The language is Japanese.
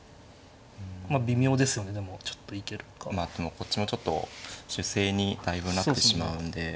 こっちもちょっと守勢にだいぶなってしまうんで。